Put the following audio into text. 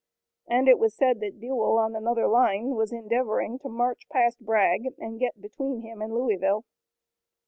And it was said that Buell on another line was endeavoring to march past Bragg and get between him and Louisville.